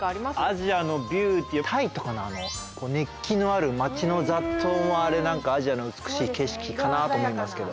アジアのビューティータイとかのあの熱気のある街の雑踏はあれ何かアジアの美しい景色かなと思いますけど。